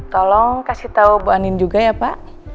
tolong kasih tahu bu anin juga ya pak